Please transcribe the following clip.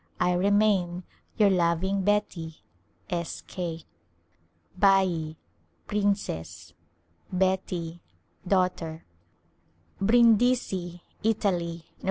I remain, Your loving Beti, S. K. Bat — princess, Beti — daughter, Brindisi^ Italy ^ Nov.